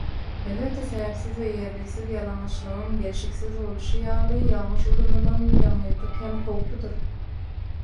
Elbetde sebäpsiz we ýerliksiz ýalaňaçlygyň gelşiksiz boluşy ýaly ýalňyş ulanylan ýalňyzlyk hem howpludyr.